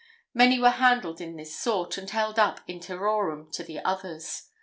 Many were handled in this sort, and held up in terrorem to the others.